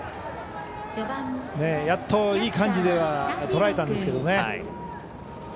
やっといい感じではとらえたんですけどね。